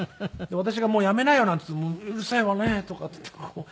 私がもう「やめなよ」なんて言っても「うるさいわね」とかっていってこう。